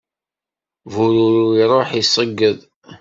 Bururu iruḥ, iṣegged.